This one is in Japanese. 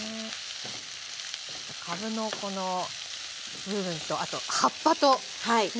かぶのこの部分とあと葉っぱとね。